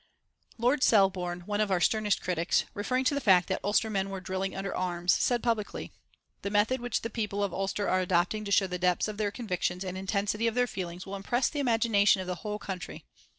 Lord Selborne, one of our sternest critics, referring to the fact that Ulstermen were drilling under arms, said publicly: "The method which the people of Ulster are adopting to show the depths of their convictions and the intensity of their feelings will impress the imagination of the whole country."